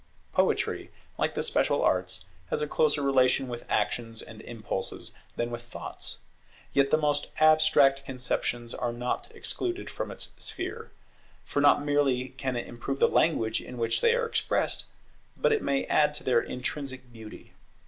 Poetry, like the special arts, has a closer relation with actions and impulses than with thoughts. Yet the most abstract conceptions are not excluded from its sphere; for not merely can it improve the language in which they are expressed, but it may add to their intrinsic beauty.